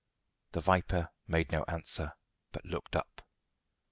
The Viper made no answer, but looked up.